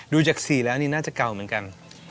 ดูจาก๔แล้วนี่น่าจะเก่าเหมือนกัน